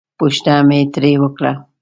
پوښتنه مې ترې وکړه.